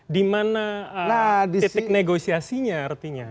di mana titik negosiasinya artinya